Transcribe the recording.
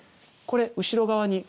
これ後ろ側に。